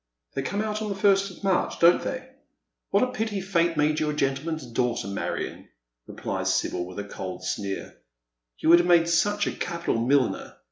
They come out on the first of March, don't they ?" 62 Dead Men's SJio^. " What a pity Fate made you a gentleman's daughter, Marion," remarks Sibyl, with a cold sneer. " You would have made such a capital milliner.